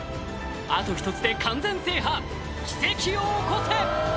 あと一つで完全制覇奇跡を起こせ！